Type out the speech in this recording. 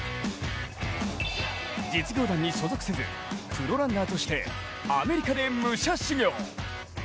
実業団に所属せず、プロランナーとしてアメリカで武者修行。